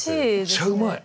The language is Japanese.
めっちゃうまい！